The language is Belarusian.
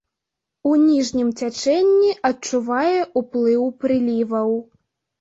У ніжнім цячэнні адчувае ўплыў прыліваў.